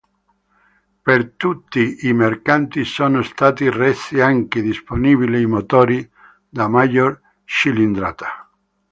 Per tutti i mercati sono stati resi anche disponibili i motori di maggior cilindrata.